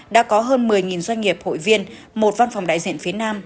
đã có hơn một mươi doanh nghiệp hội viên một văn phòng đại diện phía nam